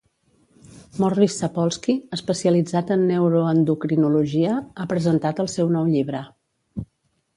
Morris Sapolsky, especialitzat en neuroendocrinologia, ha presentat el seu nou llibre.